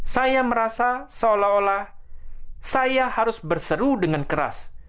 saya merasa seolah olah saya harus berseru dengan keras